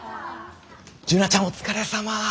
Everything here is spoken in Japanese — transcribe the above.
樹菜ちゃんお疲れさま。